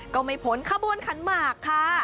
ก็ไม่พ้นขบวนขันหมากค่ะ